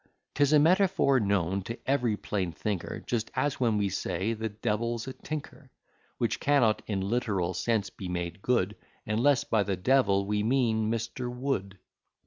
'Tis a metaphor known to every plain thinker, Just as when we say, the devil's a tinker, Which cannot, in literal sense be made good, Unless by the devil we mean Mr. Wood.